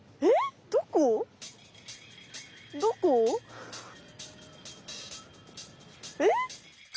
えっ！？